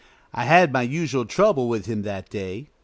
I had my usual trouble with him that day.